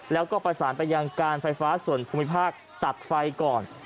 แล้วก็ประสานไปยังการไฟฟ้าส่วนภูมิภาคตัดไฟก่อน